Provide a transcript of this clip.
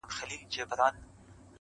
نه په کوډګرو نه په مُلا سي؛